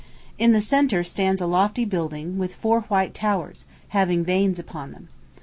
In the centre stands a lofty square building, with four white towers, having vanes upon them.